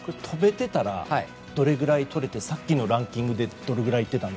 跳べていたらどれくらい取れてさっきのランキングでどれくらいに？